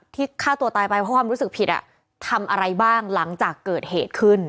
ฆ่าตัวตายไปเพราะความรู้สึกผิดทำอะไรบ้างหลังจากเกิดเหตุขึ้น